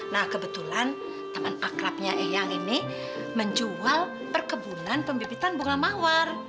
nah kebetulan taman akrabnya eyang ini menjual perkebunan pembibitan bunga mawar